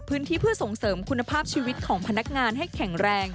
พื้นที่เพื่อส่งเสริมคุณภาพชีวิตของพนักงานให้แข็งแรง